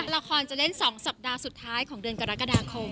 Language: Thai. ละครจะเล่น๒สัปดาห์สุดท้ายของเดือนกรกฎาคม